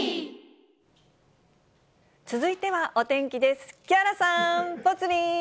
続いてはお天気です。